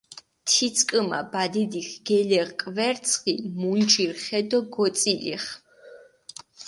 თიწკჷმა ბადიდიქ გელეღჷ კვერცხი, მუნჭირჷ ხე დო გოწილიხჷ.